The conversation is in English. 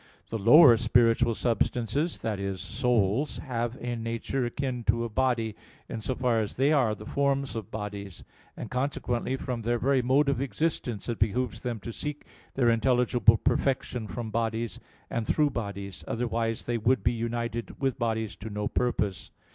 The lower spiritual substances that is, souls have a nature akin to a body, in so far as they are the forms of bodies: and consequently from their very mode of existence it behooves them to seek their intelligible perfection from bodies, and through bodies; otherwise they would be united with bodies to no purpose.